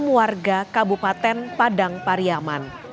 warga kabupaten padang pariaman